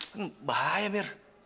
kan bahaya mir